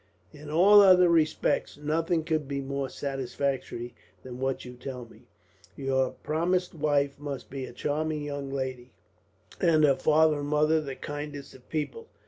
"In all other respects, nothing could be more satisfactory than what you tell me. Your promised wife must be a charming young lady, and her father and mother the kindest of people.